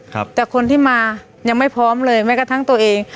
แต่คนที่มายังไม่พร้อมเลยแม้กระทั่งตัวเอง